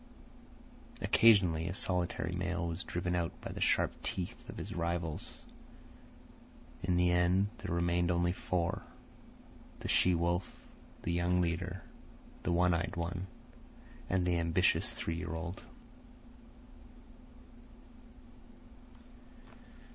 Occasionally a solitary male was driven out by the sharp teeth of his rivals. In the end there remained only four: the she wolf, the young leader, the one eyed one, and the ambitious three year old.